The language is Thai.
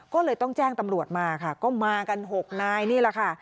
ก็เลยต้องแจ้งตำรวจมาค่ะก็มากัน๖นายนี่แหละค่ะ